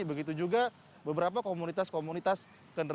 begitu juga beberapa komunitas komunitas kendaraan